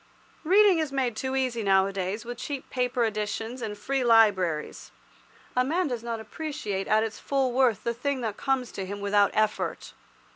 Reading is made too easy nowadays, with cheap paper editions and free libraries. A man does not appreciate at its full worth the thing that comes to him without effort.